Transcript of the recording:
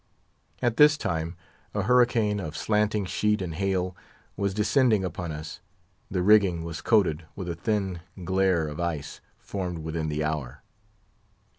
At this time a hurricane of slanting sleet and hail was descending upon us; the rigging was coated with a thin glare of ice, formed within the hour.